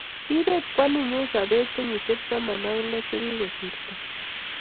kiibet kwaninyi sobeet kenyishek taman ak lo chekikosirto